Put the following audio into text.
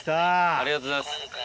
ありがとうございます。